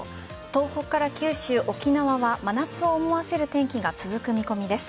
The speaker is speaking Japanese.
東北から九州、沖縄は真夏を思わせる天気が続く見込みです。